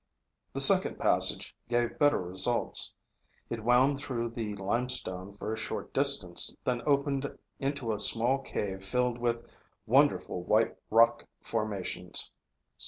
The second passage gave better results. It wound through the limestone for a short distance, then opened into a small cave filled with wonderful white rock formations.